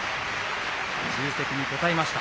重責に応えました。